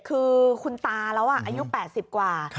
คือคุณตาร่วอายุแปดสิบกว่า